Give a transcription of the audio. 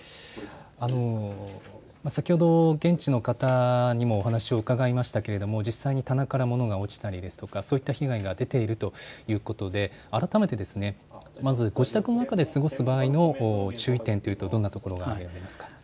先ほど現地の方にもお話を伺いましたが実際に棚から物が落ちたり、そういった被害が出ているということで改めて、まずご自宅の中で過ごす場合の注意点、どんなところがありますか。